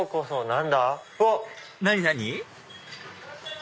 何？